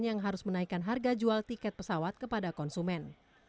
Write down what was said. yang harus menaikkan harga jual tiket pesawat kepada konsumen